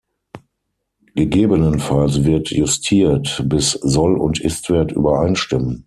Gegebenenfalls wird justiert, bis Soll- und Istwert übereinstimmen.